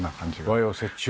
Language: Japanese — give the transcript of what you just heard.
和洋折衷。